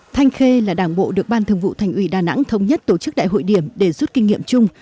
thanh khê là đảng bộ được ban thường vụ thành ủy đà nẵng thống nhất tổ chức đại hội điểm để rút kinh nghiệm chung